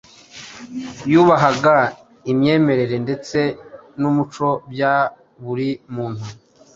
Yubahaga imyemerere ndetse n’umuco bya buri muntu.